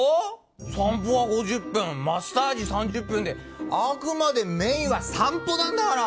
散歩は５０分マッサージ３０分であくまでメインは散歩なんだから。